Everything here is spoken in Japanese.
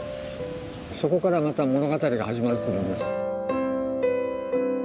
そこからまた物語が始まると思います。